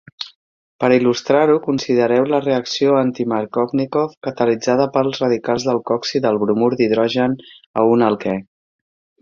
Per il·lustrar-ho, considereu la reacció anti-Markovnikov catalitzada pels radicals d'alcoxi del bromur d'hidrogen a un alquè.